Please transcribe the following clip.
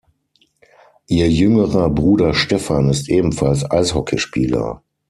Ihr jüngerer Bruder Stefan ist ebenfalls Eishockeyspieler.